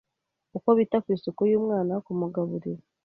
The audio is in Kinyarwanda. uko bita ku isuku y’umwana, kumugaburira,